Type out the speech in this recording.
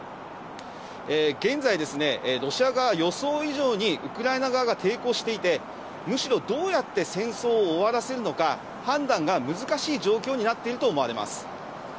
現在、ロシアが予想以上にウクライナ側が抵抗していて、むしろどうやって戦争を終わらせるのか、判断が難しい状況になっていると思われます。